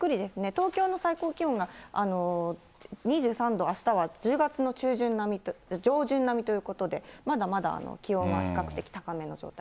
東京の最高気温が２３度、あしたは１０月の上旬並みということで、まだまだ気温は比較的高めの状態が。